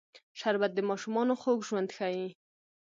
شربت د ماشومانو خوږ ژوند ښيي